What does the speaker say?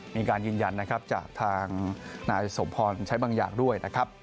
มีการยืนยันนะครับจากทางนายสมพรใช้บางอย่างด้วยนะครับ